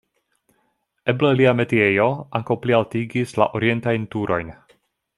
Eble lia metiejo ankaŭ plialtigis la orientajn turojn.